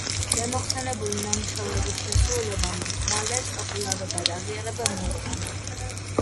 ზემოხსენებული ნამუშევრების შესრულებამ მალერს პოპულარობა და აღიარება მოუტანა.